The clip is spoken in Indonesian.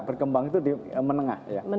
berkembang itu di menengah